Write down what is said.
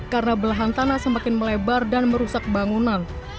karena belahan tanah semakin melebar dan merusak bangunan